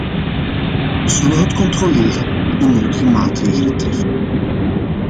We zullen het controleren en de nodige maatregelen treffen.